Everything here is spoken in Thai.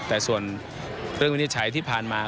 แต่ส่วนเรื่องวินิจฉัยที่ผ่านมา